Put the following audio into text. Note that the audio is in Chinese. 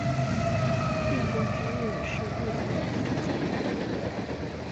电波之日是日本的一个节日。